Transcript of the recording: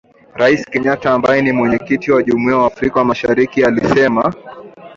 Raisi Kenyatta ambaye ni Mwenyekiti wa Jumuia ya Afrika Mashariki alisema